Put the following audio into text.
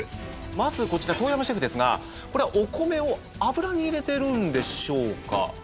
まずこちら當山シェフですがこれはお米を油に入れてるんでしょうか？